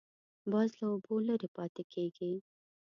باز له اوبو لرې پاتې کېږي